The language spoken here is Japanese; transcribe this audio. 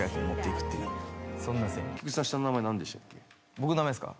僕の名前ですか？